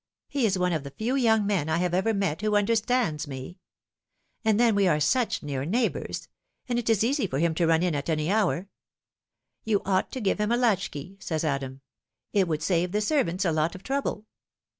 He is one of the few young men I have ever met who under stands me. And then we are such near neighbours, and it is The Verdict of her Church. 155 easy for him to run in at any hour. ' You ought to give him a latchkey,' says Adam ;' it would save the servants a lot of trouble.'".